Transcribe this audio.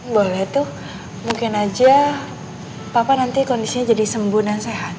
boleh tuh mungkin aja papa nanti kondisinya jadi sembuh dan sehat